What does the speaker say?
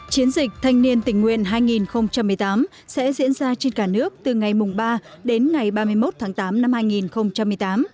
chiến dịch thanh niên tình nguyện hai nghìn một mươi tám sẽ diễn ra trên cả nước từ ngày ba đến ngày ba mươi một tháng tám năm hai nghìn một mươi tám